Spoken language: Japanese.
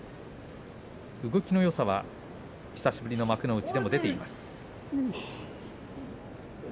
動きのよさは久しぶりの幕内でも出ています。